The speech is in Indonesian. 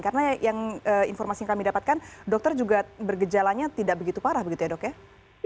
karena yang informasi kami dapatkan dokter juga bergejalanya tidak begitu parah begitu ya dok ya